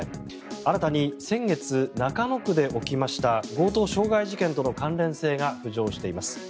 新たに先月中野区で起きました強盗傷害事件との関連性が浮上しています。